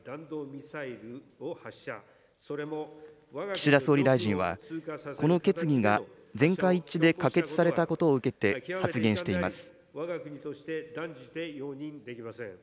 岸田総理大臣は、この決議が全会一致で可決されたことを受けて、発現しています。